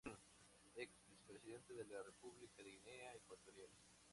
Ex Vicepresidente de la República de Guinea Ecuatorial.